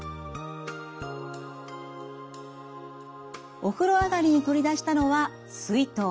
お風呂上がりに取り出したのは水筒。